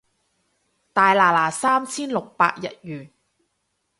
大拿拿三千六百日圓